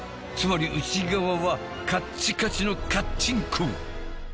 つまり内側はカッチカチのカッチンコ。